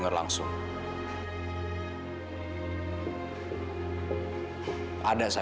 mau aku paksa